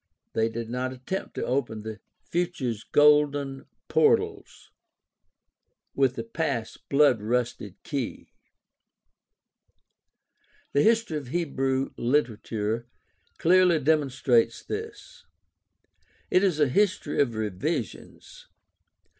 They did not attempt to open "the future's golden portals with the past's blood rusted key." The history of Hebrew literature clearly demonstrates this. It is a history of revisions.